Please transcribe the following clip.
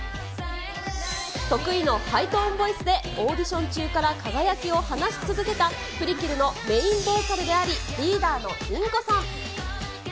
得意のハイトーンボイスでオーディション中から輝きを放ち続けた、ＰＲＩＫＩＬのメインボーカルであり、リーダーのリンコさん。